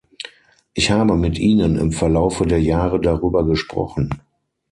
Ich habe mit Ihnen im Verlaufe der Jahre darüber gesprochen.